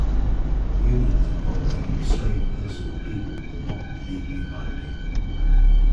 Unions involving an enslaved person or people were not legally binding.